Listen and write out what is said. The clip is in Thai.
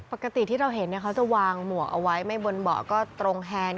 ปกติที่เราเห็นเขาจะวางหมวกเอาไว้ไม่บนเบาะก็ตรงแฮนด์